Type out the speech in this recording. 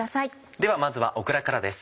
ではまずはオクラからです。